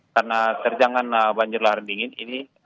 karena terjangan banjir lahir dingin ini